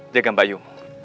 jaga mbak yum